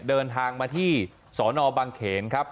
เดินทางมาที่สนบังเขนครับ